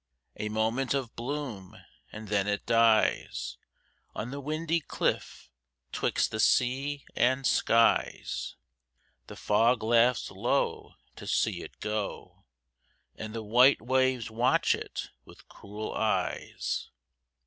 A moment of bloom, and then it dies On the windy cliff 'twixt the sea and skies. The fog laughs low to see it go, And the white waves watch it with cruel eyes.